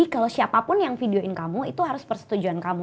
kalau siapapun yang videoin kamu itu harus persetujuan kamu